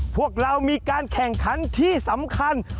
พวกเรามีการแข่งขันที่สำคัญ